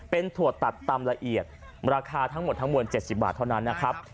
เป็นถั่วตัดตำละเอียดราคาทั้งหมดทั้งมวล๗๐บาทเท่านั้นนะครับ